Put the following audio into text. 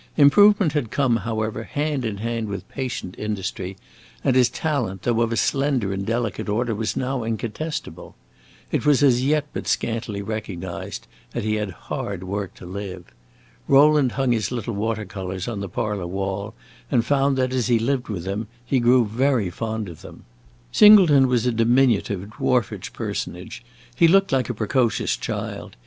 Improvement had come, however, hand in hand with patient industry, and his talent, though of a slender and delicate order, was now incontestable. It was as yet but scantily recognized, and he had hard work to live. Rowland hung his little water colors on the parlor wall, and found that, as he lived with them, he grew very fond of them. Singleton was a diminutive, dwarfish personage; he looked like a precocious child.